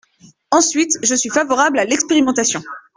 Ensuite, je suis favorable à l’expérimentation.